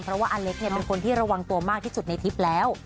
เพราะว่าอเล็กเป็นคนที่ระวังตัวมากที่สุดในทริปแล้ว